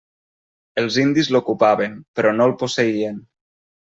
Els indis l'ocupaven, però no el posseïen.